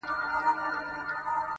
خو پاچا تېر له عالمه له پېغور وو!!